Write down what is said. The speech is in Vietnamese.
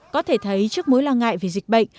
có thể thấy trước mối lo ngại về dịch bệnh